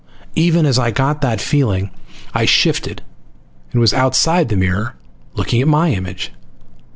Even as I got that feeling I shifted and was outside the mirror looking at my image.